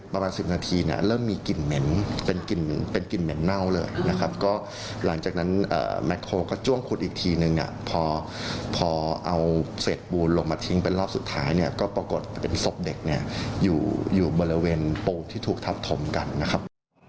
ประมาณ๑๐นาทีเนี่ยเริ่มมีกลิ่นเหม็นเป็นกลิ่นเหม็นเน่าเลยนะครับก็หลังจากนั้นแม็กโคก็จ้วงขุดอีกทีนึงเนี่ยพอเอาเศษปูนลงมาทิ้งเป็นรอบสุดท้ายเนี่ยก็ปรากฏเป็นศพเด็กเนี่ยอยู่บริเวณปูนที่ถูกทับถมกันนะครับ